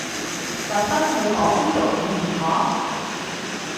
特登去嗰邊讀語言學？